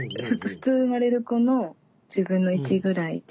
普通生まれる子の１０分の１ぐらいで。